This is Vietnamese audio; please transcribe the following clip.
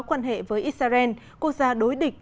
quan hệ với israel quốc gia đối địch